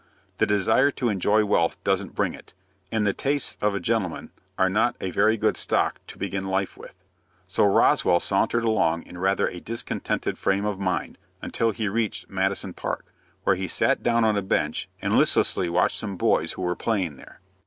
The desire to enjoy wealth doesn't bring it, and the tastes of a gentleman are not a very good stock to begin life with. So Roswell sauntered along in rather a discontented frame of mind until he reached Madison Park, where he sat down on a bench, and listlessly watched some boys who were playing there.